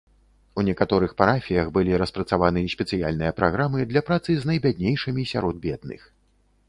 У некаторых парафіях былі распрацаваны спецыяльныя праграмы для працы з найбяднейшымі сярод бедных.